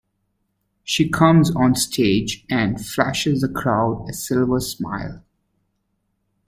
She comes onstage and flashes the crowd a silver smile.